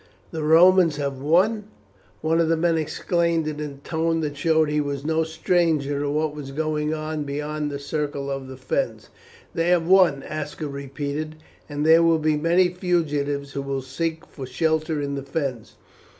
"The Romans have won!" one of the men exclaimed in a tone that showed he was no stranger to what was going on beyond the circle of the Fens. "They have won," Aska repeated, "and there will be many fugitives who will seek for shelter in the Fens.